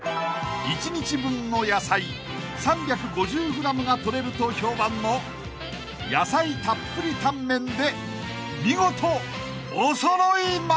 ［一日分の野菜３５０ｇが取れると評判の野菜たっぷりタンメンで見事おそろい松！］